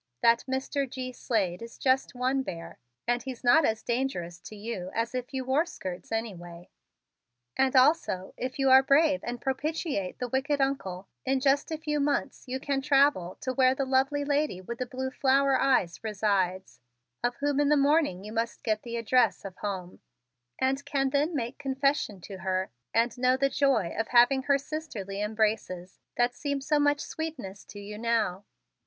That Mr. G. Slade is just one bear and he's not as dangerous to you as if you wore 'skirts' anyway. And, also, if you are brave and propitiate the wicked Uncle, in just a few months you can travel to where the lovely lady with the blue flower eyes resides, of whom in the morning you must get the address of home, and can then make confession to her and know the joy of having her sisterly embraces that seem of so much sweetness to you now.